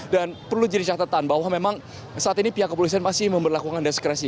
dan perlu jadi catatan bahwa memang saat ini pihak kepolisian masih memperlakukan deskresi